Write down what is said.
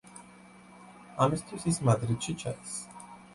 ამისთვის ის მადრიდში ჩადის.